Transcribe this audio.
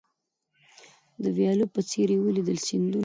د ویالو په څېر یې ولیدل سیندونه